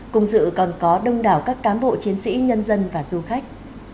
cùng dự còn có đông đảo các cán bộ chiến sĩ nhân dân và du khách